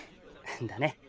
だね。